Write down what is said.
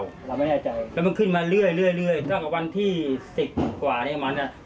เราไม่แน่ใจแล้วมันขึ้นมาเรื่อยเรื่อยเรื่อยต้องกับวันที่สิบกว่านี้มันอ่ะ